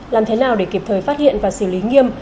làm thế nào để kịp thời phát hiện và xử lý nghiêm